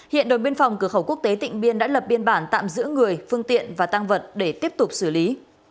hiện đồn biên phòng cửa khẩu quốc tế tịnh biên đã lập biên bản tạm giữ người phương tiện và tăng vật để tiếp tục xử lý